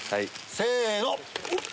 せの！